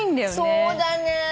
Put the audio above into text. そうだね。